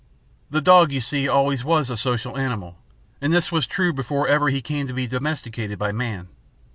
The dog, you see, always was a social animal, and this was true before ever he came to be domesticated by man.